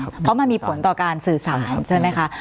เพราะมันมีผลต่อการสื่อสารใช่ไหมคะ